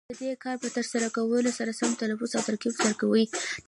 د دې کار په ترسره کولو سره سم تلفظ او ترکیب زده کوي.